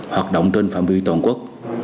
hoạt động trên phạm vi toàn quốc